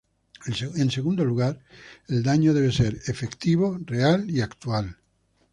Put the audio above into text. En segundo lugar, el daño debe ser efectivo: real y actual.